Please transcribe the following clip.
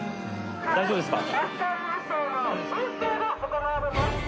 大丈夫ですか？